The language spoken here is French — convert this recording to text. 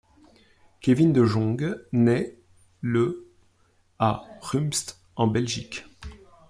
Kevin De Jonghe naît le à Rumst en Belgique.